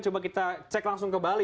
coba kita cek langsung kembali